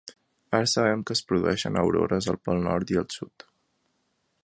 Ara sabem que es produeixen aurores al pol nord i al sud.